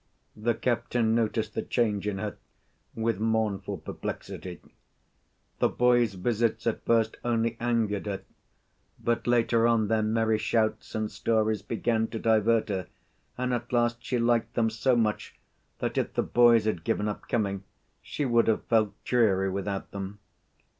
The captain noticed the change in her with mournful perplexity. The boys' visits at first only angered her, but later on their merry shouts and stories began to divert her, and at last she liked them so much that, if the boys had given up coming, she would have felt dreary without them.